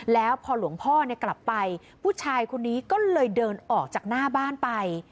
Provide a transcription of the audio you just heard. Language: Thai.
แล้วพอหลวงพ่อกลับไปผู้ชายคนนี้ก็เลยเดินออกจากหน้าบ้านไป